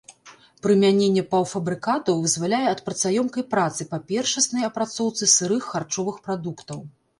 Прымяненне паўфабрыкатаў вызваляе ад працаёмкай працы па першаснай апрацоўцы сырых харчовых прадуктаў.